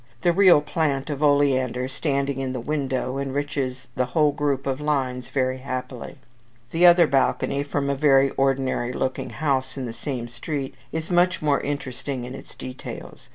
The real plant of oleander standing in the window enriches the whole group of lines very happily. The other balcony, from a very ordinary looking house in the same street, is much more interesting in its details.